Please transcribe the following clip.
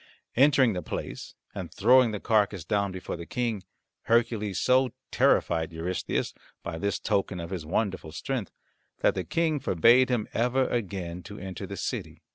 Entering the place and throwing the carcass down before the king, Hercules so terrified Eurystheus by this token of his wonderful strength that the King forbade him ever again to enter the city.